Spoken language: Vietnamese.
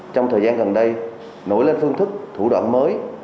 trong thời gian gần đây nổi lên phương thức thủ đoạn mới